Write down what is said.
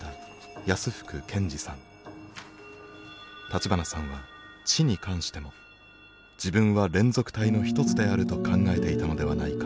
立花さんは知に関しても自分は連続体の一つであると考えていたのではないかと指摘しました。